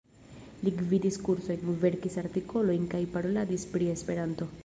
Li gvidis kursojn, verkis artikolojn kaj paroladis pri Esperanto.